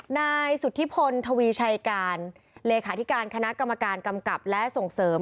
นายสุธิพลทวีชัยการเลขาธิการคณะกรรมการกำกับและส่งเสริม